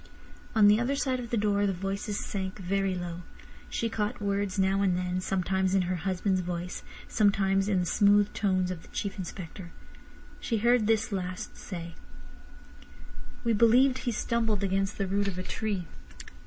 On the other side of the door the voices sank very low. She caught words now and then, sometimes in her husband's voice, sometimes in the smooth tones of the Chief Inspector. She heard this last say: "We believe he stumbled against the root of a tree?"